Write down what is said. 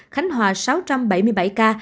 khánh hòa sáu trăm bảy mươi bảy ca